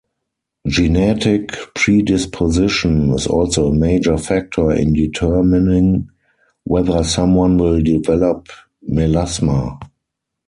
Genetic predisposition is also a major factor in determining whether someone will develop melasma.